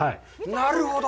なるほど。